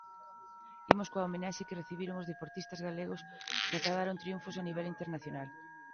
Imos coa homenaxe que recibiron os deportistas galegos que acadaron triunfos a nivel internacional.